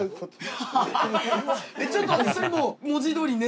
ちょっとそれもう文字どおり。